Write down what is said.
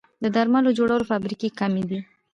د درملو جوړولو فابریکې کمې دي